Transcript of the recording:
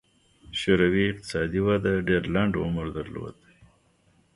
شوروي اقتصادي وده ډېر لنډ عمر درلود.